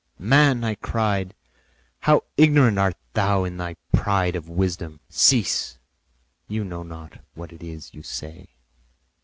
"Man," I cried, "how ignorant art thou in thy pride of wisdom! Cease; you know not what it is you say."